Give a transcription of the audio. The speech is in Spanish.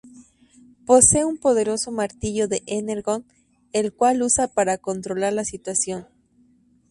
Posee un Poderoso Martillo de Energon el cual usa para controlar la situación.